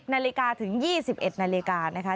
นาฬิกาถึง๒๑นาฬิกานะคะ